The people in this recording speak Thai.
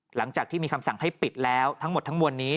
หลังจากที่มีคำสั่งให้ปิดแล้วทั้งหมดทั้งมวลนี้